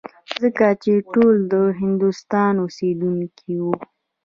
ځکه چې ټول د هندوستان اوسېدونکي وو.